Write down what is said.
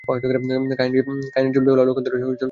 কাহিনীটি বেহুলা-লক্ষীন্দরের সঙ্গে জড়িত।